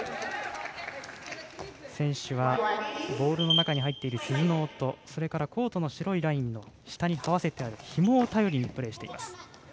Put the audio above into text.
選手は、ボールの中に入っている鈴の音それから、コートの白いラインの下にはわせてあるひもを頼りにプレーしています。